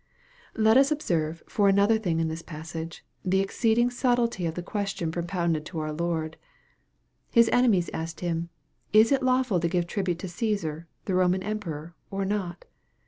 Let us observe, for another thing in this passage, the exceeding subtlety of the question propounded to our Lord. His enemies asked him, " Is it lawful to give tribute to Caesar, the Roman emperor, or not